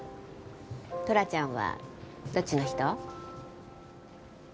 トラちゃんはどっちの人？